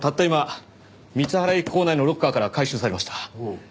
今光原駅構内のロッカーから回収されました。